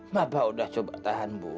bapak udah coba tahan bu